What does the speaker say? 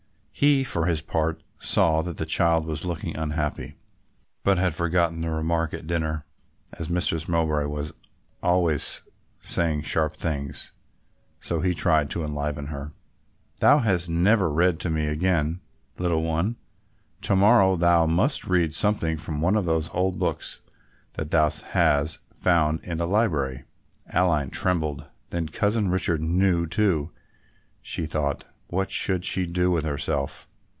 He for his part saw that the child was looking unhappy, but had forgotten the remark at dinner, as Mistress Mowbray was always saying sharp things; so he tried to enliven her. "Thou hast never read to me again, little one, to morrow thou must read something from one of those old books that thou hast found in the library." Aline trembled; then Cousin Richard knew too, she thought. What should she do with herself?